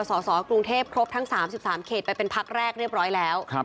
สสกรุงเทพครบทั้ง๓๓เขตไปเป็นพักแรกเรียบร้อยแล้ว